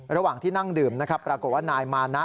ระหว่างที่นั่งดื่มนะครับปรากฏว่านายมานะ